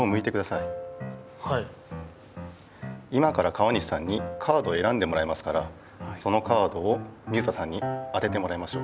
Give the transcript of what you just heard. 今から川西さんにカードをえらんでもらいますからそのカードを水田さんに当ててもらいましょう。